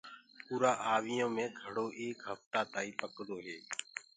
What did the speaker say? اُرآ آويٚ يو مي گھڙو ايڪ هڦتآ تآئينٚ پڪدو هي۔